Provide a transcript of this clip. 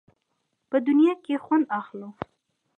په دنیا کې یې خوند اخلو.